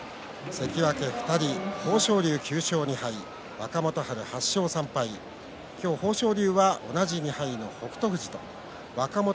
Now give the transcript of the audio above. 関脇２人、豊昇龍９勝２敗若元春、８勝３敗豊昇龍が同じ２敗の北勝富士という若元